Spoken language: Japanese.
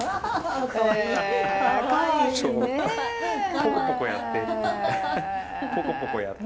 「ポコポコやって」って。